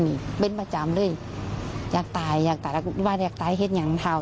นี่เป็นประจำเลยอยากตายอยากตายว่าอยากตายเห็นอย่างเท่า